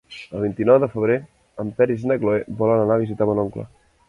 El vint-i-nou de febrer en Peris i na Cloè volen anar a visitar mon oncle.